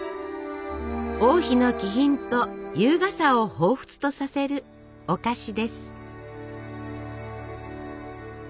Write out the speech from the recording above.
王妃の気品と優雅さをほうふつとさせるお菓子です。